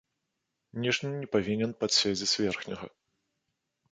Ніжні не павінен падседзець верхняга.